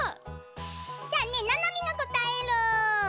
じゃあねななみもこたえる。